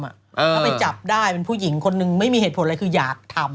แล้วไปจับได้เป็นผู้หญิงคนนึงไม่มีเหตุผลอะไรคืออยากทำ